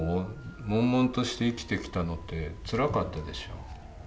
もんもんとして生きてきたのってつらかったでしょう。